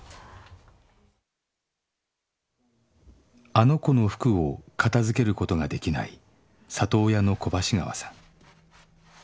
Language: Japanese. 「あの子」の服を片づけることができない里親の小橋川さん